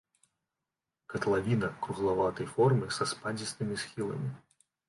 Катлавіна круглаватай формы са спадзістымі схіламі.